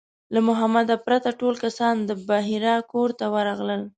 له محمد پرته ټول کسان د بحیرا کور ته ورغلل.